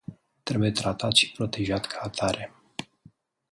Trebuie tratat și protejat ca atare.